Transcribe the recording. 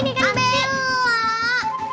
ini kan belah